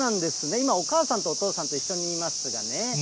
今、お母さんとお父さんと一緒にいますがね。